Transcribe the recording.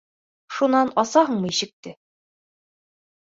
Шунан асаһыңмы ишекте?